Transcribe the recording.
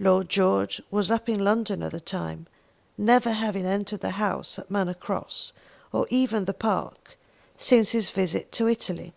Lord George was up in London at the time, never having entered the house at Manor Cross, or even the park, since his visit to Italy.